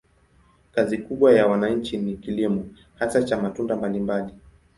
Kazi kubwa ya wananchi ni kilimo, hasa cha matunda mbalimbali.